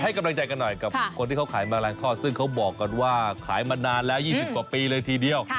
กำลังใจกันหน่อยกับคนที่เขาขายแมลงทอดซึ่งเขาบอกกันว่าขายมานานแล้ว๒๐กว่าปีเลยทีเดียว